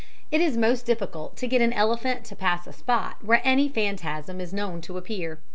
It is most difficult to get an elephant to pass a spot where any phantasm is known to appear.